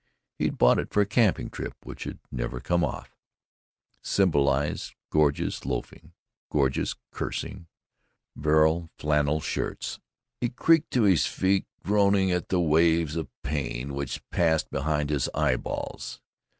He had bought it for a camping trip which had never come off. It symbolized gorgeous loafing, gorgeous cursing, virile flannel shirts. He creaked to his feet, groaning at the waves of pain which passed behind his eyeballs.